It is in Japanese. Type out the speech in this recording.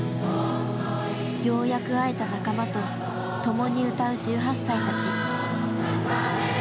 ようやく会えた仲間と共に歌う１８歳たち。